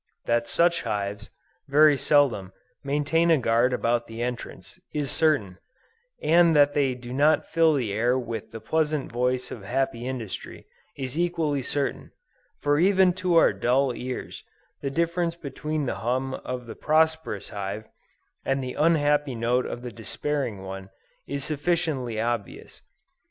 That such hives, very seldom, maintain a guard about the entrance, is certain; and that they do not fill the air with the pleasant voice of happy industry, is equally certain; for even to our dull ears, the difference between the hum of the prosperous hive, and the unhappy note of the despairing one, is sufficiently obvious.